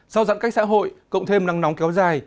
sau giãn cách xã hội cộng thêm nắng nóng kéo dài